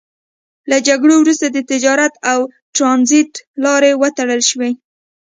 له جګړو وروسته د تجارت او ترانزیت لارې وتړل شوې.